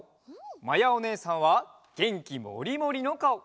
まやおねえさんはげんきモリモリのかお。